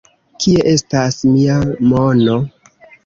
Kie estas mia mono?